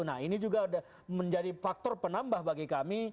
nah ini juga menjadi faktor penambah bagi kami